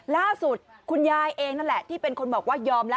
ล่าสุดคุณยายเองนั่นแหละที่เป็นคนบอกว่ายอมแล้ว